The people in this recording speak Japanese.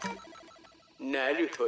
なるほど。